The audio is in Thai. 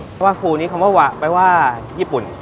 เพราะว่าครูนี้คำว่าไปว่าญี่ปุ่น